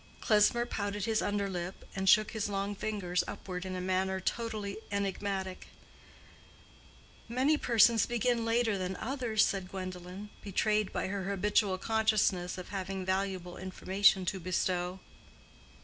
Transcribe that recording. Klesmer pouted his under lip and shook his long fingers upward in a manner totally enigmatic. "Many persons begin later than others," said Gwendolen, betrayed by her habitual consciousness of having valuable information to bestow.